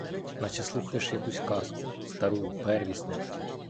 Наче слухаєш якусь казку, стару, первісну.